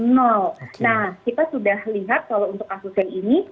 nah kita sudah lihat kalau untuk kasus yang ini